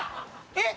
えっ？